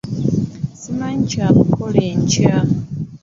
Simanyi kya kukola enkya.